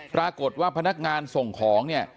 ปรากฏว่าพนักงานส่งของเนี่ย